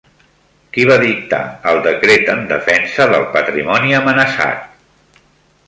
Qui va dictar el decret en defensa del patrimoni amenaçat?